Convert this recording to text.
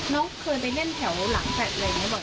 น้องเคยไปเล่นแถวหลังแฟลตอะไรอย่างนี้บอก